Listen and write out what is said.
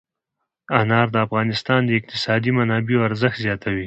انار د افغانستان د اقتصادي منابعو ارزښت زیاتوي.